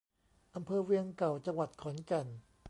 อำเภอเวียงเก่า จังหวัดขอนแก่น